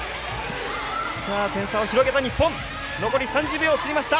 点差を広げた日本。